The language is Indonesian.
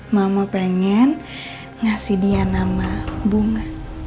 mama pengen ngasih dia nama bunga